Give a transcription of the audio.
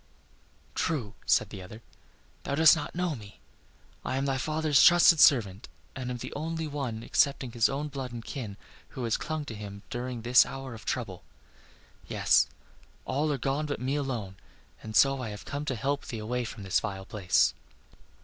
"True," said the other, "thou dost not know me. I am thy father's trusted servant, and am the only one excepting his own blood and kin who has clung to him in this hour of trouble. Yes, all are gone but me alone, and so I have come to help thee away from this vile place."